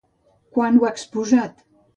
Quan ho ha exposat?